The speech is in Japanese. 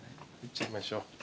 入っちゃいましょう。